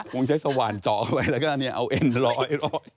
คงใช้สว่านเจาะเข้าไปแล้วก็เนี่ยเอาเอ็นลอย